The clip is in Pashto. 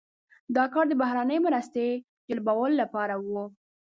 دا کار د بهرنۍ مرستې جلبولو لپاره و.